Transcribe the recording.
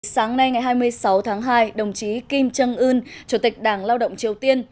sáng nay ngày hai mươi sáu tháng hai đồng chí kim trân ưn chủ tịch đảng lao động triều tiên